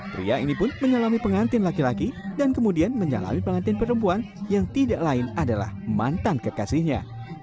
pria ini pun menyalami pengantin laki laki dan kemudian menyalami pengantian perempuan yang tidak lain adalah mantan kekasihnya